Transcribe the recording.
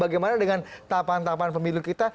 bagaimana dengan tahapan tahapan pemilu kita